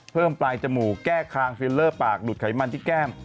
เพิ่มปลายจมูกแก้คางฟิลเลอร์ปากหลุดไขมันที่แก้ม